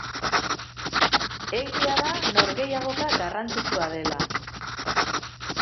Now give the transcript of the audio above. Egia da norgehiagoka garrantzitsua dela.